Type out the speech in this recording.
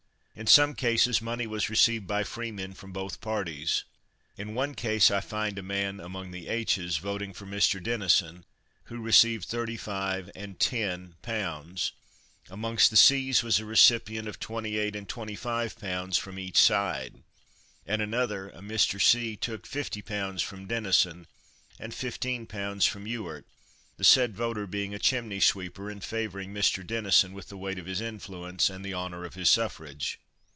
In some cases money was received by freemen from both parties. In one case I find a man (among the H's) voting for Mr. Denison, who received 35 and 10 pounds. Amongst the C's was a recipient of 28 and 25 pounds from each side; and another, a Mr. C., took 50 pounds from Denison and 15 pounds from Ewart, the said voter being a chimney sweeper, and favouring Mr. Denison with the weight of his influence and the honour of his suffrage.